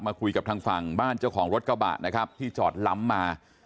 คุยกับทางฝั่งบ้านเจ้าของรถกระบะนะครับที่จอดล้ำมา